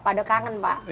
pak do kangen pak